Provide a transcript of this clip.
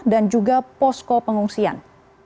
dan juga posko pengungsian